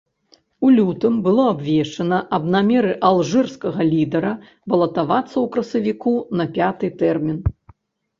У лютым было абвешчана аб намеры алжырскага лідара балатавацца ў красавіку на пяты тэрмін.